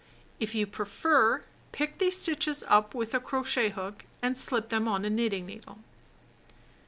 If you prefer, pick these stitches up with a crochet hook, and slip them on a knitting needle.